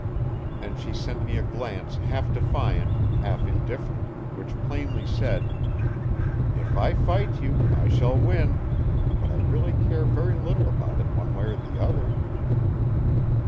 And she sent me a glance half defiant, half indifferent, which plainly said: "If I fight you, I shall win; but I really care very little about it one way or the other."